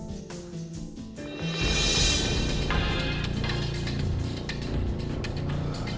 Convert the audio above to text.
yang ada di dalam